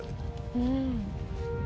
「うん」